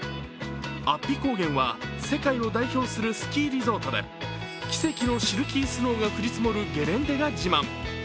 安比高原は世界を代表するスキーリゾートで奇跡のシルキースノーが降り積もるゲレンデが自慢。